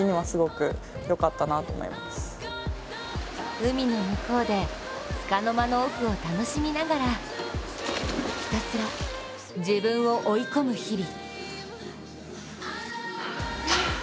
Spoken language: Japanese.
海の向こうでつかの間のオフを楽しみながらひたすら自分を追い込む日々。